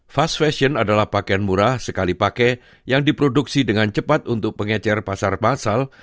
fast fashion adalah pakaian murah sekali pakai yang diproduksi dengan cepat untuk pengecer pasar pasar